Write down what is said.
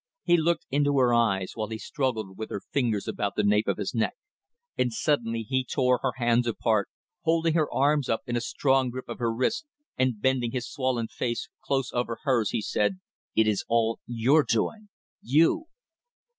He looked into her eyes while he struggled with her fingers about the nape of his neck, and suddenly he tore her hands apart, holding her arms up in a strong grip of her wrists, and bending his swollen face close over hers, he said "It is all your doing. You